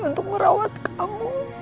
untuk merawat kamu